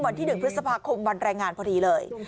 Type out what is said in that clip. วันที่๑พฤษภาคมวันแรงงานพอดีเลย